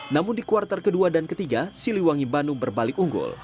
namun di kuartal kedua dan ketiga siliwangi bandung berbalik unggul